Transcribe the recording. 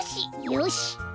よし！